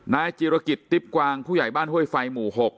นายจิรกิจติ๊บกวางผู้ใหญ่บ้านห้วยไฟหมู่๖